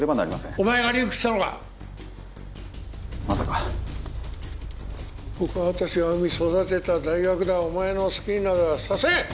お前がリークしたのかまさかここは私がうみ育てた大学だお前の好きになどはさせん！